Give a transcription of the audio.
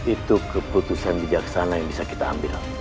itu keputusan bijaksana yang bisa kita ambil